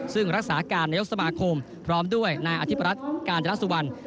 ซึ่งรักษาการนายกสมาคมพร้อมด้วยนายอธิบรัฐกาญจนสุวรรณ